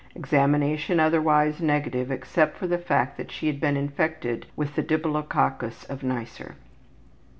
Examination otherwise negative except for the fact that she had been infected with the diplococcus of Neisser.